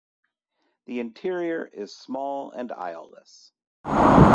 The interior is small and aisleless.